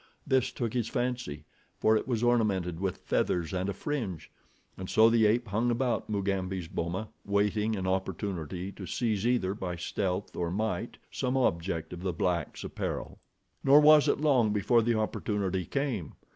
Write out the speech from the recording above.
This took his fancy, for it was ornamented with feathers and a fringe, and so the ape hung about Mugambi's boma, waiting an opportunity to seize either by stealth or might some object of the black's apparel. Nor was it long before the opportunity came.